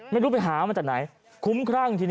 ไม่รู้ไปหาเพิ่มจากไหน